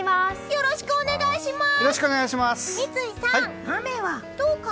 よろしくお願いします！